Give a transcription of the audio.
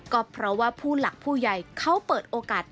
ก็เพราะว่าผู้หลักผู้ใหญ่เขาเปิดโอกาส